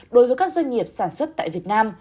đối với các doanh nghiệp sản xuất tại việt nam